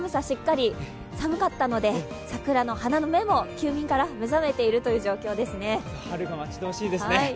しっかり寒かったので桜の花の芽も休眠から目覚めているということですね。